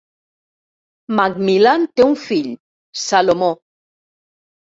McMillan té un fill, Salomó.